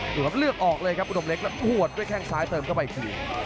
ดูครับเลือกออกเลยครับอุดมเล็กแล้วหัวดด้วยแข้งซ้ายเติมเข้าไปอีกที